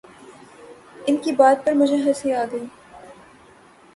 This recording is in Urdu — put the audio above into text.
ان کی بات پر مجھے ہنسی آ گئی